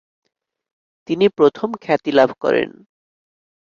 তিনি প্রথম খ্যাতিলাভ করেন।